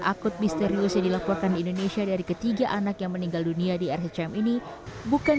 akut misterius yang dilaporkan di indonesia dari ketiga anak yang meninggal dunia di rhcm ini bukan